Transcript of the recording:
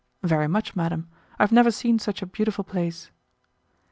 "Very much, madam; I have never seen such a beautiful place."